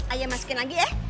ayah masukin lagi ya